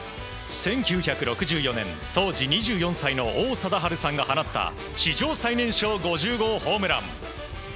１９６４年、当時２４歳の王貞治さんが放った史上最年少５０号ホームラン。